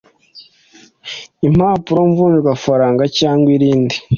impapuro mvunjwafaranga cyangwa irindi